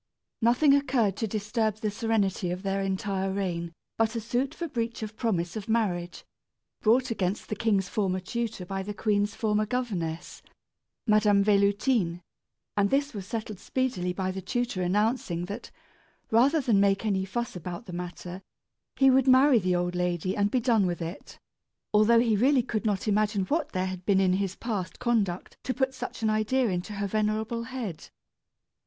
Nothing occurred to disturb the serenity of their entire reign but a suit for breach of promise of marriage, brought against the king's former tutor by the queen's former governess, Madame Véloutine; and this was settled speedily by the tutor announcing that, rather than make any fuss about the matter, he would marry the old lady and be done with it, although he really could not imagine what there had been in his past conduct to put such an idea into her venerable head.